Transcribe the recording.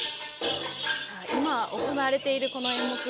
今、行われている演目